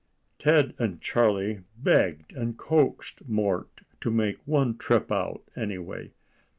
"] Ted and Charlie begged and coaxed Mort to make one trip out, any way.